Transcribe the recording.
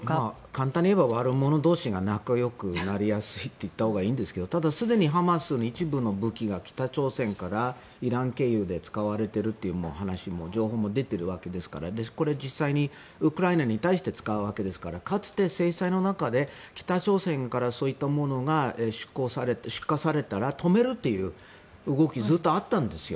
簡単に言えば悪者同士が仲よくなりやすいって言ったほうがいいんですがただ、すでにハマスに一部の武器が北朝鮮からイラン経由で使われているという話も情報も出ているわけですからこれを実際に、ウクライナに対して使うわけですからかつて制裁の中で北朝鮮からそういったものが出荷されたら止めるという動きずっとあったんですよ。